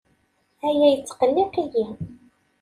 Aya yettqelliq-iyi.